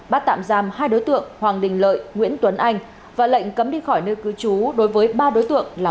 bắt tạm giam hai đối tượng hoàng đình lợi nguyễn tuấn anh và lệnh cấm đi khỏi nơi cư trú đối với ba đối tượng là